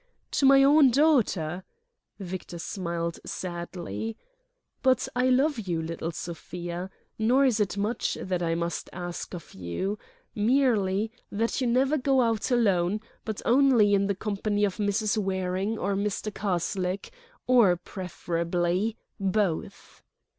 To my own daughter?" Victor smiled sadly. "But I love you, little Sofia. Nor is it much that I must ask of you: merely that you never go out alone, but only in the company of Mrs. Waring or Mr. Karslake or, preferably, both."